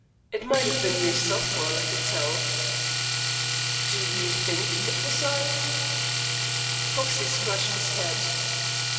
It might ha' been yerself for all I could tell." "Do you think it was I?" Foxey scratched his head.